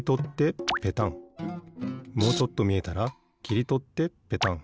もうちょっとみえたらきりとってペタン。